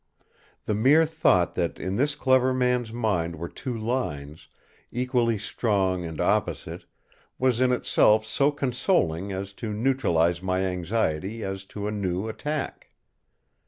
The mere thought that in this clever man's mind were two lines, equally strong and opposite, was in itself so consoling as to neutralise my anxiety as to a new attack.